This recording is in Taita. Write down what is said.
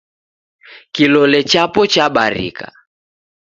kilole chapo chabarika